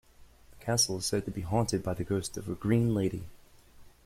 The castle is said to be haunted by the ghost of a 'Green Lady'.